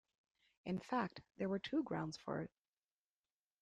In fact, there were two grounds for it.